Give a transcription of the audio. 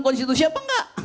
konstitusi apa enggak